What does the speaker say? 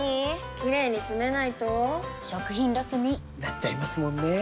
キレイにつめないと食品ロスに．．．なっちゃいますもんねー！